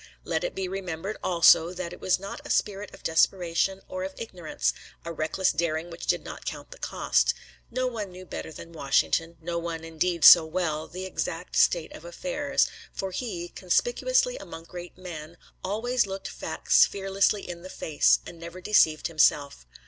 Let it be remembered, also, that it was not a spirit of desperation or of ignorance, a reckless daring which did not count the cost. No one knew better than Washington no one, indeed, so well the exact state of affairs; for he, conspicuously among great men, always looked facts fearlessly in the face, and never deceived himself.